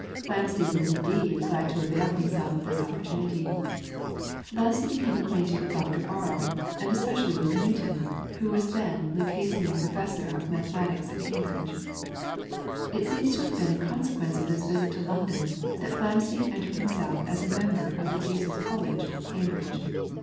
Flamsteed was indeed glad to avail himself of this opportunity. Thus he became acquainted with Dr. Barrow, and especially with Newton, who was then Lucasian Professor of Mathematics at Cambridge. It seems to have been in consequence of this visit to London that Flamsteed entered himself as a member of Jesus College, Cambridge.